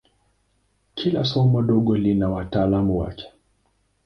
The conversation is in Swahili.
Kila somo dogo lina wataalamu wake.